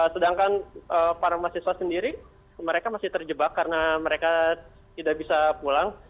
sedangkan para mahasiswa sendiri mereka masih terjebak karena mereka tidak bisa pulang